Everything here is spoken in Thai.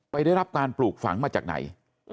ได้รับการปลูกฝังมาจากไหน